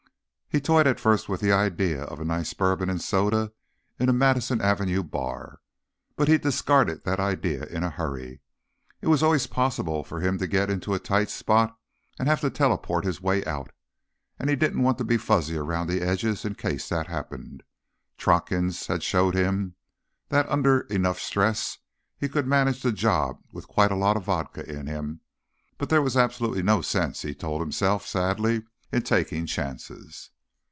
He toyed at first with the idea of a nice bourbon and soda in a Madison Avenue bar, but he discarded that idea in a hurry. It was always possible for him to get into a tight spot and have to teleport his way out, and he didn't want to be fuzzy around the edges in case that happened. Trotkin's had showed him that, under enough stress, he could manage the job with quite a lot of vodka in him. But there was absolutely no sense, he told himself sadly, in taking chances.